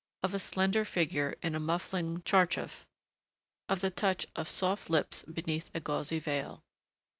of a slender figure in a muffling tcharchaf ... of the touch of soft lips beneath a gauzy veil....